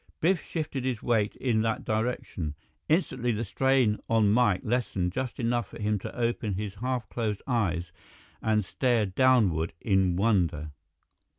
Biff shifted his weight in that direction. Instantly the strain on Mike lessened just enough for him to open his half closed eyes and stare downward in wonder.